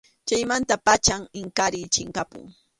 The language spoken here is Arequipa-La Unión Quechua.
Chaymanta pacham Inkariy chinkapun.